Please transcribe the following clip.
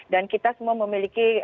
dan kita semua memiliki